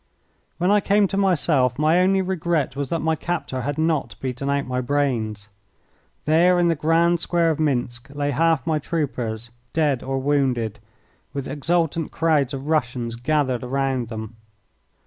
When I came to myself my only regret was that my captor had not beaten out my brains. There in the grand square of Minsk lay half my troopers dead or wounded, with exultant crowds of Russians gathered round them.